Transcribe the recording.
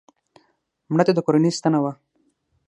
مړه د کورنۍ ستنه وه